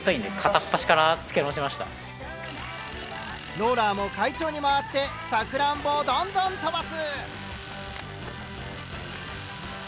ローラーも快調に回ってさくらんぼをどんどん飛ばす。